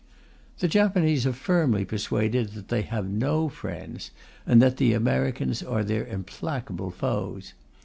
The Japanese are firmly persuaded that they have no friends, and that the Americana are their implacable foes.